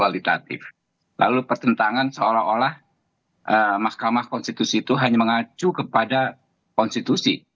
lalu pertentangan seolah olah mahkamah konstitusi itu hanya mengacu kepada konstitusi